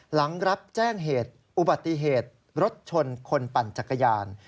หลังรับแจ้งเหตุอุบัติเหตุรถชนคนปั่นจักรยาน